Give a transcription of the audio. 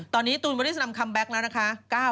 ตอนนี้ตูนบริสนำคัมแบ็คแล้วนะคะ